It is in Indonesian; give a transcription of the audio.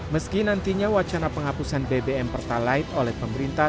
meski nantinya wacana penghapusan bbm pertalite oleh pemerintah